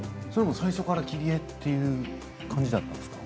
最初から切り絵という感じだったんですか？